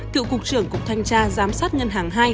cựu cục trưởng cục thanh tra giám sát ngân hàng hai